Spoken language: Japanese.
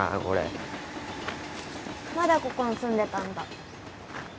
これまだここに住んでたんだ？